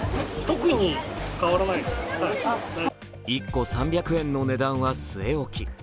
１個３００円の値段は据え置き。